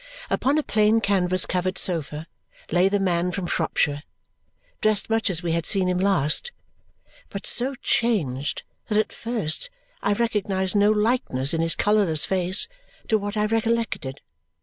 Upon a plain canvas covered sofa lay the man from Shropshire, dressed much as we had seen him last, but so changed that at first I recognized no likeness in his colourless face to what I recollected.